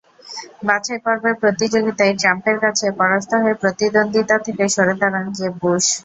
বাছাইপর্বের প্রতিযোগিতায় ট্রাম্পের কাছে পরাস্ত হয়ে প্রতিদ্বন্দ্বিতা থেকে সরে দাঁড়ান জেব বুশ।